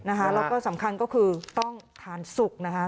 แล้วก็สำคัญก็คือต้องทานสุกนะคะ